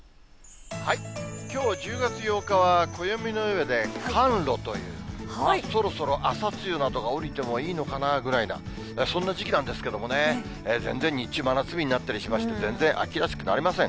きょう１０月８日は暦の上で寒露という、そろそろ朝露などが降りてもいいのかなぐらいな、そんな時期なんですけどもね、全然、日中真夏日になったりして、全然秋らしくなりません。